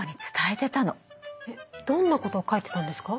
えっどんなことを書いてたんですか？